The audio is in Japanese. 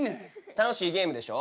楽しいゲームでしょ？